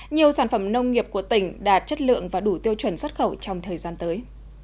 nhiều sản phẩm nông nghiệp của tỉnh đạt chất lượng và đủ tiêu chuẩn xuất khẩu trong thời gian tới